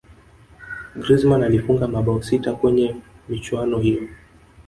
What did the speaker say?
griezmann alifunga mabao sita kwenye michuano hiyo